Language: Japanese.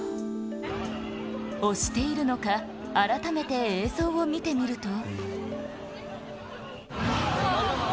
押しているのか、改めて映像を見てみると。